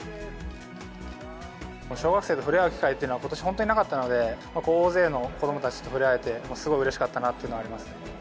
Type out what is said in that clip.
小学生と触れ合う機会っていうのはことし本当になかったので、大勢の子どもたちと触れ合えて、すごいうれしかったなっていうのがあります。